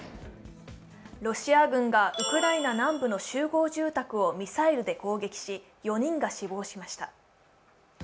ロシア軍がウクライナ南部の集合住宅をミサイルで攻撃し４人が死亡しました。